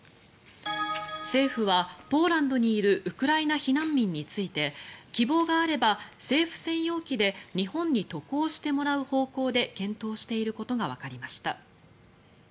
政府は、ポーランドにいるウクライナ避難民について希望があれば、政府専用機で日本に渡航してもらう方向で検討していることがわかりました。